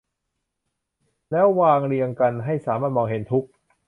แล้ววางเรียงกันให้สามารถมองเห็นทุก